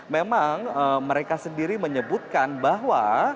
memang mereka sendiri menyebutkan bahwa